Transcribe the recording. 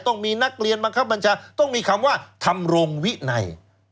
ต้องมีนักเรียนบังคับบัญชาต้องมีคำว่าทำรงวินัย